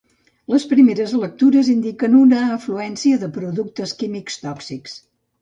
Les primeres lectures indiquen una afluència de productes químics tòxics.